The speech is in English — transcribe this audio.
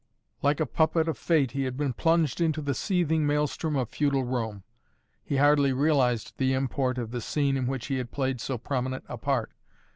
Like a puppet of Fate he had been plunged into the seething maelstrom of feudal Rome. He hardly realized the import of the scene in which he had played so prominent a part.